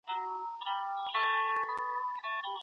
«قصاب کابل» لقبونه ورکړل سول؛ خو جالبه دا ده